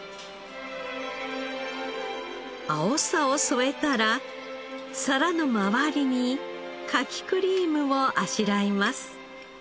アオサを添えたら皿の回りにカキクリームをあしらいます。